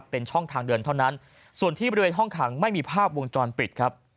เป็นช่องทางเดินเท่านั้นส่วนที่บริเวณห้องขังไม่มีภาพวงจรปิดครับ